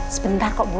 sebentar kok bu